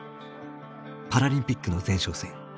パラリンピックの前哨戦